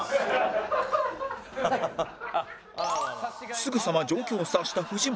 すぐさま状況を察したフジモン